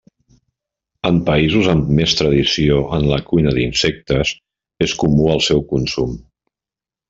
En països amb més tradició en la cuina d'insectes és comú el seu consum.